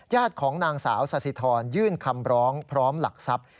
ของนางสาวสาธิธรยื่นคำร้องพร้อมหลักทรัพย์